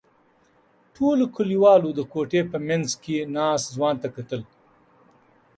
ټولو کلیوالو د کوټې په منځ کې ناست ځوان ته کتل.